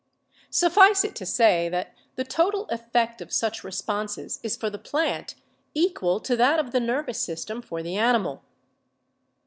Suffice it to say that the total effect of such responses is for the plant equal to that of the nervous system for the animal.